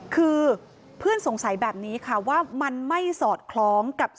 คือเพื่อนสงสัยแบบนี้ค่ะว่ามันไม่สอดคล้องกับ